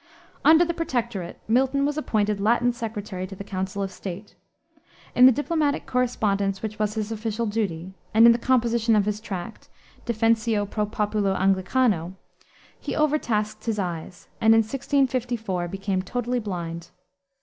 Under the Protectorate Milton was appointed Latin Secretary to the Council of State. In the diplomatic correspondence which was his official duty, and in the composition of his tract, Defensio pro Populo Anglicano, he overtasked his eyes, and in 1654 became totally blind.